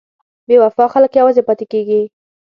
بې وفا خلک یوازې پاتې کېږي.